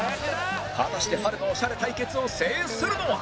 果たして春のオシャレ対決を制するのは？